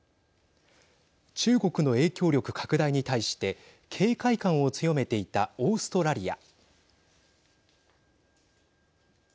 中国の影響力拡大に対して警戒感を強めていたオーストラリア。